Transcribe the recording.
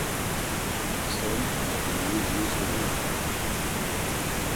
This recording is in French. Personne n’avait mieux joué son rôle.